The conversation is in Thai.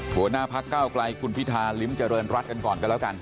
หัวหน้าพักเก้าไกลคุณพิธาลิ้มเจริญรัฐกันก่อนกันแล้วกัน